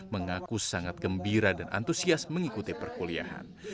mengaku sangat gembira dan antusias mengikuti perkuliahan